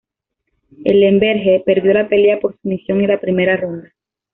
Ellenberger perdió la pelea por sumisión en la primera ronda.